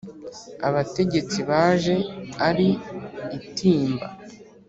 abategetsi baje ari itimba